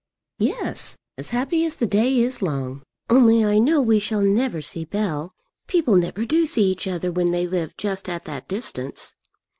"Yes, as happy as the day is long. Only I know we shall never see Bell. People never do see each other when they live just at that distance.